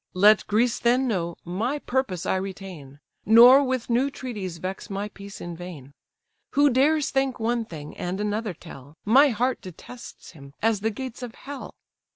Let Greece then know, my purpose I retain: Nor with new treaties vex my peace in vain. Who dares think one thing, and another tell, My heart detests him as the gates of hell.